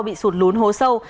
bị sụt lún hố sâu